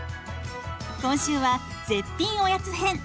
今週は絶品おやつ編。